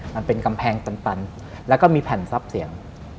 มันเป็นกำแพงตันแล้วก็มีแผ่นทรัพย์เสียง